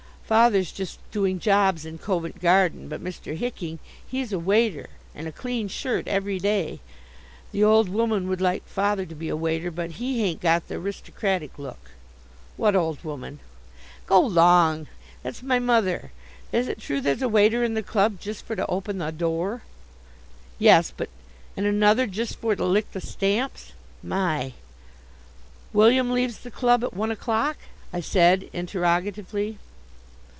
Father's just doing jobs in Covent Garden, but Mr. Hicking, he's a waiter, and a clean shirt every day. The old woman would like father to be a waiter, but he hain't got the 'ristocratic look." "What old woman?" "Go 'long! that's my mother. Is it true there's a waiter in the club just for to open the door?" "Yes, but " "And another just for to lick the stamps? My!" "William leaves the club at one o'clock?" I said, interrogatively.